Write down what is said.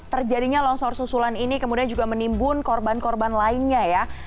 terjadinya longsor susulan ini kemudian juga menimbun korban korban lainnya ya